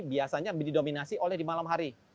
biasanya didominasi oleh di malam hari